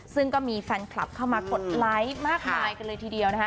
ซึ่งก็มีแฟนคลับเข้ามากดไลค์มากมายกันเลยทีเดียวนะคะ